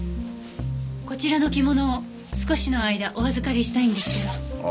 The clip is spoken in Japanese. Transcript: こちらの着物を少しの間お預かりしたいんですけど。